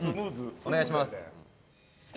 「お願いします」